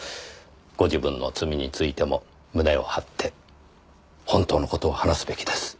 ご自分の罪についても胸を張って本当の事を話すべきです。